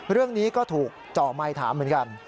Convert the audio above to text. เรื่องนี้ก็ถูกเจาะไมค์ถามเหมือนกัน